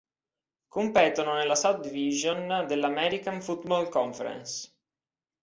Competono nella South Division della American Football Conference.